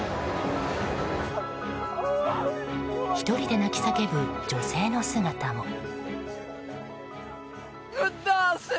１人で泣き叫ぶ女性の姿も。